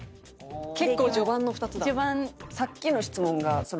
結構序盤の２つだ。